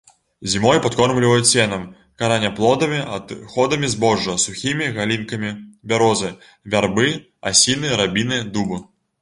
Зімой падкормліваюць сенам, караняплодамі, адходамі збожжа, сухімі галінкамі бярозы, вярбы, асіны, рабіны, дубу.